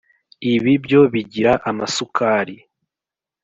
ibi byo bigira amasukari,